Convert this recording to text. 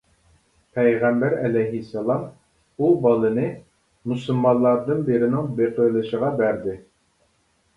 پەيغەمبەر ئەلەيھىسسالام ئۇ بالىنى مۇسۇلمانلاردىن بىرىنىڭ بېقىۋېلىشقا بەردى.